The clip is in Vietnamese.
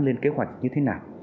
lên kế hoạch như thế nào